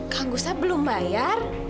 kang gusap belum bayar